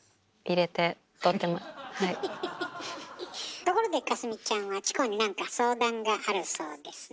ところで架純ちゃんはチコになんか相談があるそうですね。